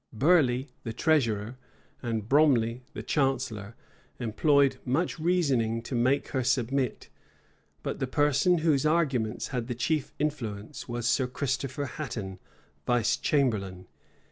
Burleigh, the treasurer, and Bromley, the chancellor, employed much reasoning to make her submit; but the person whose arguments had the chief influence, was Sir Christopher Hatton, vice chamberlain.